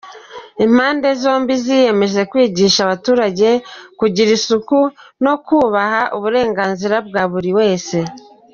Impande zombi ziyemeje kwigisha abaturage kugira isuku no kubaha uburenganzira bwa buri wese.